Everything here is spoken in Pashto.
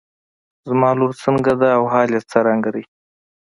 زما لور څنګه ده او حال يې څرنګه دی.